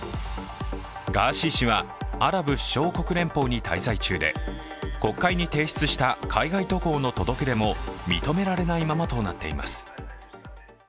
ガーシー氏はアラブ首長国連邦に滞在中で国会に提出した海外渡航の届け出も認められないままとなっています。